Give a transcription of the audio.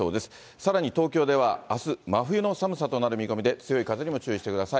さらに東京ではあす、真冬の寒さとなる見込みで、強い風にも注意してください。